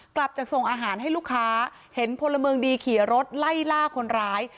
กลับจากส่งอาหารให้ลูกค้าเห็นพลเมืองดีขี่รถไล่ล่าคนร้าย